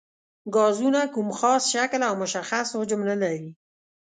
ګازونه کوم خاص شکل او مشخص حجم نه لري.